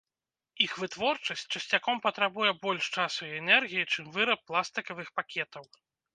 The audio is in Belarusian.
Іх вытворчасць часцяком патрабуе больш часу і энергіі, чым выраб пластыкавых пакетаў.